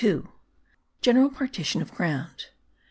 GENERAL PARTITION OF GROUND.